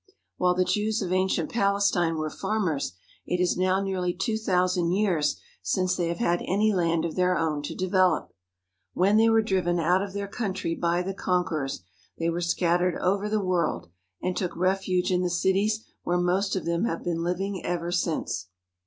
While the Jews of ancient Palestine were farmers, it is now nearly two thousand years since they have had any land of their own to develop. When they were driven out of their country by their conquerors, they were scat tered over the world, and took refuge in the cities where most of them have been living ever since.